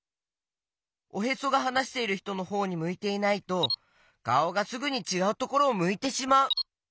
おへそがはなしているひとのほうにむいていないとかおがすぐにちがうところをむいてしまう。